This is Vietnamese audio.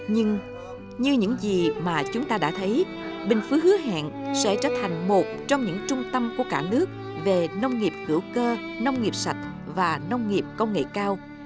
nhưng như những gì mà chúng ta đã thấy bình phước hứa hẹn sẽ trở thành một trong những trung tâm của cả nước về nông nghiệp hữu cơ nông nghiệp sạch và nông nghiệp công nghệ cao